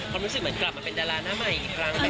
คนรู้สึกกลับมาเป็นดาราหน้าใหม่อีกครั้ง